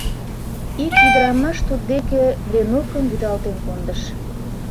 Ик ӱдырамаш туддеке Ленукым вӱдалтен кондыш.